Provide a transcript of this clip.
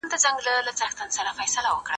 که منځګړي په خپله دنده کي بريالي سي څه کيږي؟